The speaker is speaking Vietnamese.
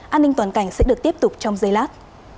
an ninh toàn cảnh sẽ được tiếp tục trong giây lát